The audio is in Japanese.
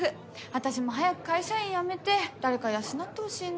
私も早く会社員辞めて誰か養ってほしいなあ。